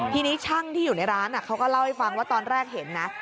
ทีนี้ช่างที่อยู่ในร้านเขาก็เล่าให้ฟังว่าตอนแรกเห็นนะ